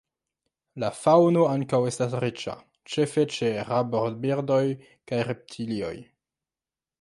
La faŭno ankaŭ estas riĉa, ĉefe ĉe rabobirdoj kaj reptilioj.